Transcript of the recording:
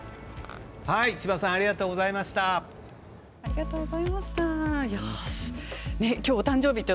千葉さんありがとうございました。